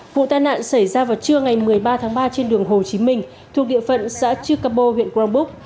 vụ tai nạn xảy ra vào trưa ngày một mươi ba tháng ba trên đường hồ chí minh thuộc địa phận xã chư cà bô huyện cronbuk